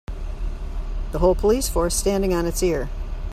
The whole police force standing on it's ear.